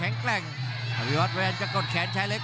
และอัพพิวัตรสอสมนึก